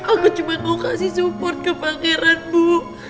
aku cuma mau kasih support ke pangeran bu